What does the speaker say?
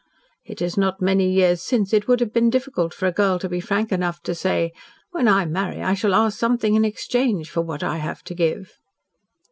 "It is not many years since it would have been difficult for a girl to be frank enough to say, 'When I marry I shall ask something in exchange for what I have to give.'"